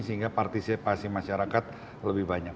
sehingga partisipasi masyarakat lebih banyak